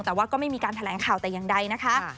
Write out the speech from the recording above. แต่ว่าก็ไม่มีการแถลงข่าวแต่อย่างใดนะคะ